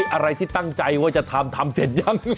อะไรที่ตั้งใจว่าจะทำทำเสร็จยัง